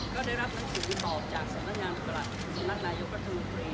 ก็ได้รับหนังสือตอบจากสำนักงานประหลัดสำนักนายกรัฐมนตรี